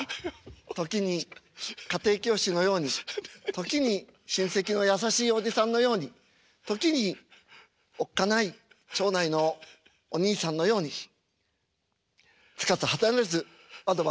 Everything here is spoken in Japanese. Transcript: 時に家庭教師のように時に親戚の優しいおじさんのように時におっかない町内のおにいさんのようにつかず離れずアドバイスを頂いております。